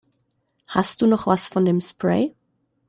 Hast du noch was von dem Spray?